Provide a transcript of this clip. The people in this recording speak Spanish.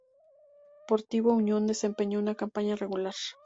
Sportivo Unión desempeñó una campaña regular.